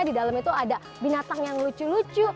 di dalam itu ada binatang yang lucu lucu